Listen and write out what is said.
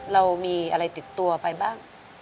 เรามีอะไรติดตัวไปบ้าง